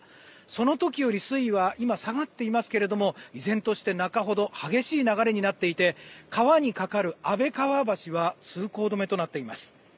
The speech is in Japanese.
その時より水位は今、下がっていますけれども依然として、中ほど激しい流れになっていて川に架かる安倍川橋は通行止めとなっています。